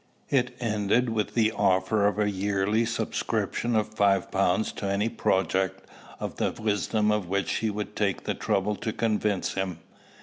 It ended with the offer of a yearly subscription of five pounds to any project of the wisdom of which she would take the trouble to convince him.